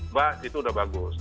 mbak itu udah bagus